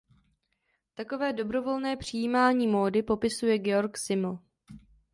Takové dobrovolné přijímání módy popisuje Georg Simmel.